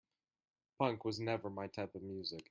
Punk was never my type of music.